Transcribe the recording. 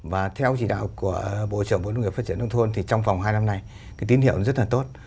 và theo chỉ đạo của bộ trưởng bộ nông nghiệp phát triển nông thôn thì trong vòng hai năm nay cái tín hiệu rất là tốt